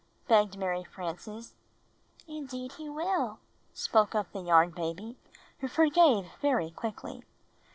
begged Mary Frances. "Indeed he will," spoke up the Yarn Baby, who forgave very quickly.